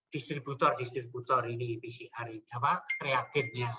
distributor distributor ini pcr reagennya